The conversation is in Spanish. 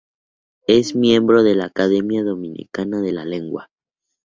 Es miembro de la Academia Dominicana de la Lengua.